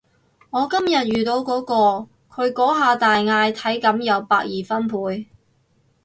我今日遇到嗰個，佢嗰下大嗌體感有百二分貝